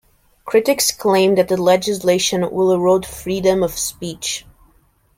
Critics claimed that the legislation will erode freedom of speech.